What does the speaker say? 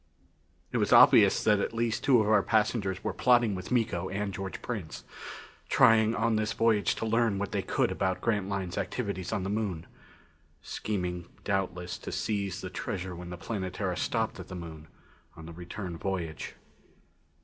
It was obvious that at least two of our passengers were plotting with Miko and George Prince; trying on this voyage to learn what they could about Grantline's activities on the Moon scheming doubtless to seize the treasure when the Planetara stopped at the Moon on the return voyage.